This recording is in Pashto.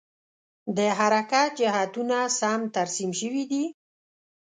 د حرکت جهتونه سم ترسیم شوي دي؟